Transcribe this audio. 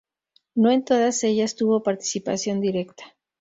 No en todas ellas tuvo participación directa.